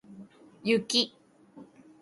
雪